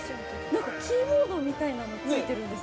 ◆何かキーボードみたいなのついてるんですね。